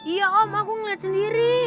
iya om aku ngeliat sendiri